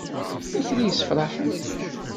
Lakra ysefrahen?